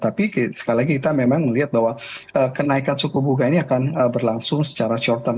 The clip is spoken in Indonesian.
tapi sekali lagi kita memang melihat bahwa kenaikan suku bunga ini akan berlangsung secara short term